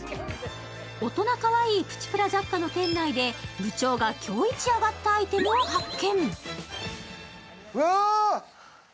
大人かわいいプチプラ雑貨の店内で部長が今日いちアガったアイテムを発見。